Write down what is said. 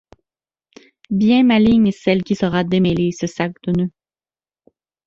Bien maligne celle qui saura démêler ce sac de nœuds.